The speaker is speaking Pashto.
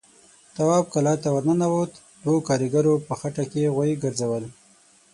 تواب کلا ته ور ننوت، دوو کاريګرو په خټه کې غوايي ګرځول.